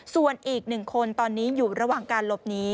ส่วนอีก๑คนตอนนี้อยู่ระหว่างการหลบหนี